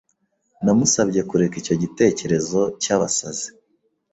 Namusabye kureka icyo gitekerezo cyabasazi.